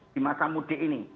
di masa mudik ini